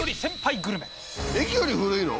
駅より古い。